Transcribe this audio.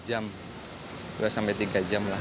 dua sampai tiga jam dua sampai tiga jam lah